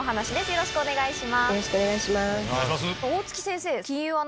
よろしくお願いします。